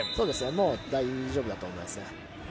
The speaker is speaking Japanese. もう大丈夫だと思います。